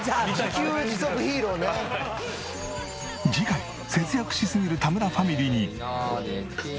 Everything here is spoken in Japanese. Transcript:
次回節約しすぎる田村ファミリーに。